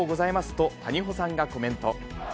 と谷保さんがコメント。